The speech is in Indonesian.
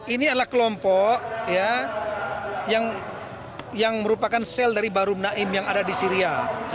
ini adalah kelompok yang merupakan sel dari bahru naim yang ada di syria